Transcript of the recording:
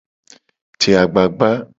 Je agbagba.